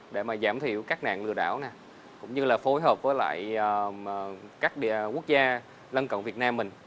để mà giảm thiểu các nạn lừa đảo cũng như là phối hợp với lại các quốc gia lân cộng việt nam mình